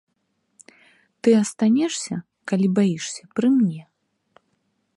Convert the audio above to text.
Ты астанешся, калі баішся, пры мне.